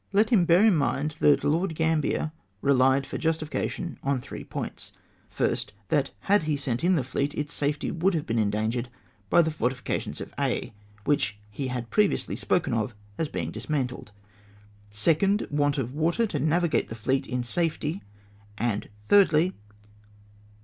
Let him bear in mind that 410 LORD GAMBIEE'S POINTS OF JUSTIFICATION Lord Gambler relied for justification on three points ;— 1st, Tliat, liad he sent in tlie fleet, its safety would have been endangered by the fortifications of Aix (which he had previously spoken of as being dis mantled) ; 2nd, Want of water to navigate the fleet in safety ; and ordly.